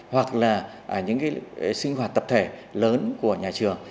hoặc là những cái sinh hoạt tập thể lớn của nhà trường